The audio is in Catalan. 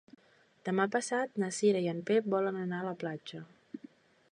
Demà passat na Cira i en Pep volen anar a la platja.